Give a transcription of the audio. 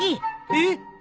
えっ！？